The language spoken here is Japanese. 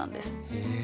へえ。